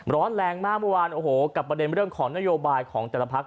ร้อนแรงมากเมื่อวานโอ้โหกับประเด็นเรื่องของนโยบายของแต่ละพัก